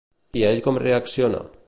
I ell com reacciona?